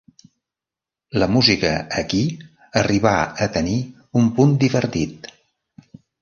La música aquí, arribar a tenir un punt divertit.